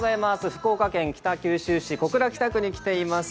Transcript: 福岡県北九州市小倉北区に来ています。